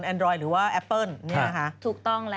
แอปเปิล